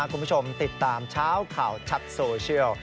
คุณผู้ชมติดตามเช้าข่าวชัดโซเชียล